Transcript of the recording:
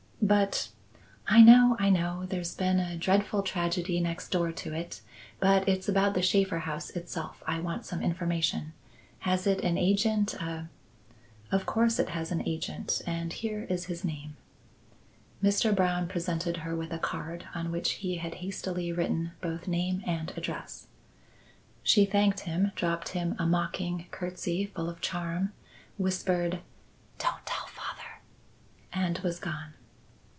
"But " "I know, I know; there's been a dreadful tragedy next door to it; but it's about the Shaffer house itself I want some information. Has it an agent, a " "Of course it has an agent, and here is his name." Mr. Brown presented her with a card on which he had hastily written both name and address. She thanked him, dropped him a mocking curtsey full of charm, whispered "Don't tell father," and was gone.